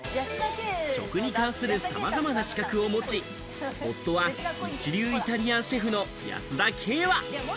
食に関するさまざまな資格を持ち、夫は一流イタリアンシェフの保田圭は。